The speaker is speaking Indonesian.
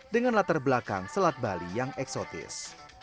dengan latar belakang selat bali yang eksotis